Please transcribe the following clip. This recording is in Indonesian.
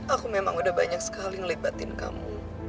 aku memang udah banyak sekali ngelebatin kamu